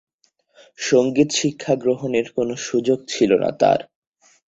সংগীত শিক্ষা গ্রহণের কোন সুযোগ ছিলনা তার।